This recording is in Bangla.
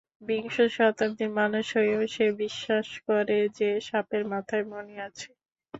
বিংশ শতাব্দীর মানুষ হয়েও সে বিশ্বাস করে যে, সাপের মাথায় মণি আছে।